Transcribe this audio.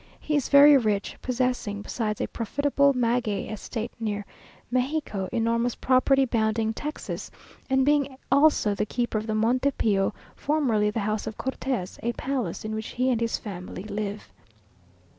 He is very rich, possessing, besides a profitable maguey estate near Mexico, enormous property bounding Texas, and being also the keeper of the Monte Pio, formerly the house of Cortes, a palace, in which he and his family live.